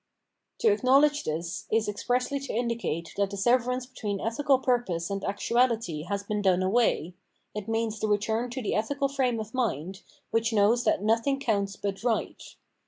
* To acknowledge this, is expressly to indicate that the severance between ethical purpose and actuality has been done away ; it means the return to the ethical frame of mind, which knows that nothing counts but right.